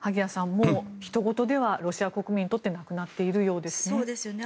もうひと事ではロシア国民にとってなくなっているようですね。